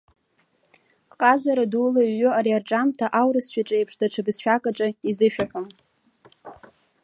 Ҟазара дула иҩу ари арҿиамҭа аурысшәаҿы еиԥш даҽа бызшәак аҿы изышәаҳәом.